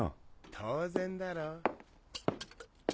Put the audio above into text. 当然だろ。